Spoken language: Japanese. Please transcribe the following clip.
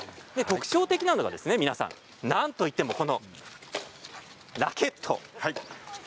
特徴的なのが、なんといってもこのラケットです。